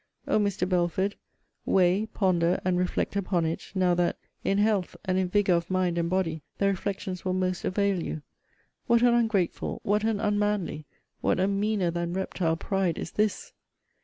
O Mr. Belford, weigh, ponder, and reflect upon it, now that, in health, and in vigour of mind and body, the reflections will most avail you what an ungrateful, what an unmanly, what a meaner than reptile pride is this!